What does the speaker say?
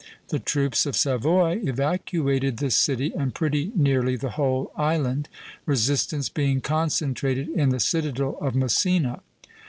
The troops of Savoy evacuated the city and pretty nearly the whole island, resistance being concentrated in the citadel of Messina.